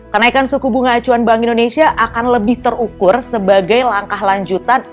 kenaikan suku bunga acuan bank indonesia akan lebih terukur sebagai langkah lanjutan